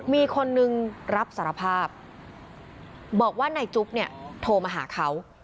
มีคนนึงรับสารภาพบอกว่านายจุ๊บเนี่ยโทรมาหาเขา